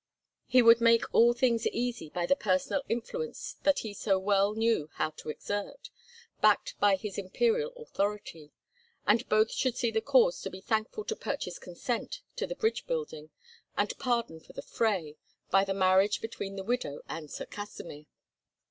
He would make all things easy by the personal influence that he so well knew how to exert, backed by his imperial authority; and both should see cause to be thankful to purchase consent to the bridge building, and pardon for the fray, by the marriage between the widow and Sir Kasimir.